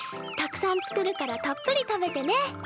たくさん作るからたっぷり食べてね。